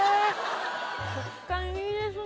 食感いいですね